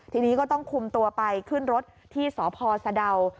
ทีนี้ก็ต้องคุมตัวไปขึ้นรถที่สพสะดาว